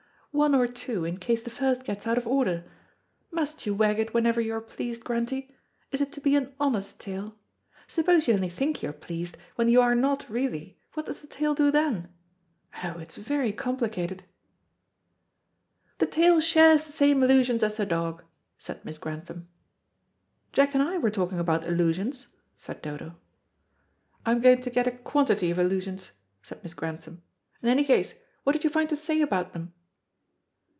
"One or two, in case the first gets out of order. Must you wag it whenever you are pleased, Grantie? Is it to be an honest tail? Suppose you only think you are pleased, when you are not really, what does the tail do then? Oh, it's very complicated." "The tail shares the same illusions as the dog," said Miss Grantham. "Jack and I were talking about illusions," said Dodo. "I'm going to get a quantity of illusions," said Miss Grantham. "In any case, what did you find to say about them?"